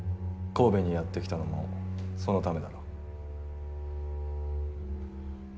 神戸にやって来たのもそのためだろう。